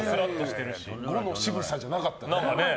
２５のしぐさじゃなかった。